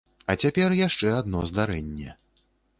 А цяпер яшчэ адно здарэнне.